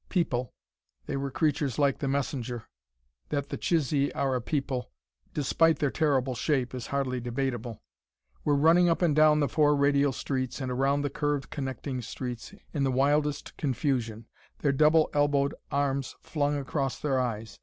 People they were creatures like the messenger; that the Chisee are a people, despite their terrible shape, is hardly debatable were running up and down the four radial streets, and around the curved connecting streets, in the wildest confusion, their double elbowed arms flung across their eyes.